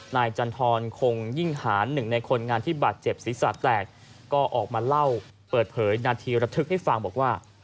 จันทรคงยิ่งหารหนึ่งในคนงานที่บาดเจ็บศีรษะแตกก็ออกมาเล่าเปิดเผยนาทีระทึกให้ฟังบอกว่า